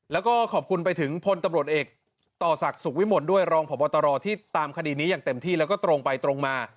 แล้วก็ขอบคุณไปถึงพลตำรวจเอกต่อศักดิ์สุขวิมลด้วยรองพบตรที่ตามคดีนี้อย่างเต็มที่แล้วก็ตรงไปตรงมา